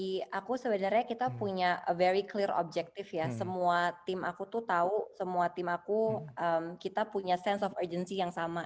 jadi aku sebenarnya kita punya very clear objective ya semua tim aku tuh tahu semua tim aku kita punya sense of urgency yang sama